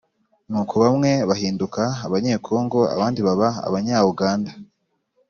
nuko bamwe bahinduka abanyekongo, abandi baba abanya-uganda.